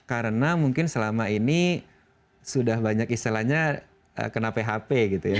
karena mungkin selama ini sudah banyak istilahnya kena php gitu ya